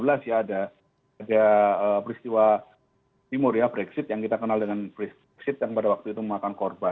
tahun dua ribu lima belas ya ada peristiwa timur ya brexit yang kita kenal dengan brexit yang pada waktu itu memakan korban